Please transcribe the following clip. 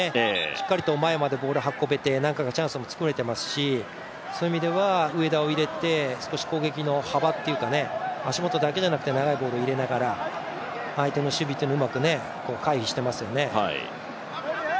しっかりと前までボールを運べて何回かチャンスも作れてますし上田を入れて少し攻撃の幅というか足元だけじゃなくて長いボールを入れながら相手の守備をうまく回避してますよね。